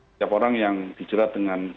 setiap orang yang dijerat dengan